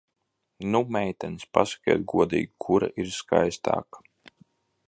Nu, meitenes, pasakiet godīgi, kura ir skaistāka?